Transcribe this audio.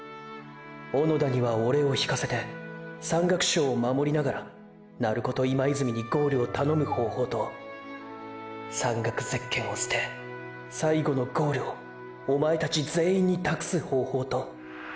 小野田にはオレを引かせて山岳賞を守りながら鳴子と今泉にゴールをたのむ方法と山岳ゼッケンを捨て最後のゴールをおまえたち全員に託す方法と。